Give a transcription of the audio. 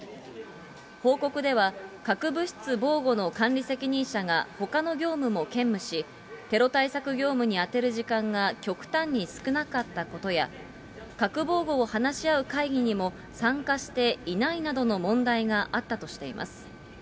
報告では、核物質防護の管理責任者がほかの業務も兼務し、テロ対策業務に充てる時間が極端に少なかったことや、核防護を話し合う会議にも参加していないなどの問題があったとしています。